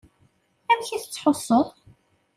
Amek i tettḥussuḍ?